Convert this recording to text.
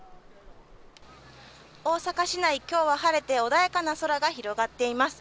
大阪市内、きょうは晴れて、穏やかな空が広がっています。